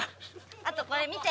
あとこれ見て。